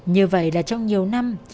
như vậy là trong nhiều năm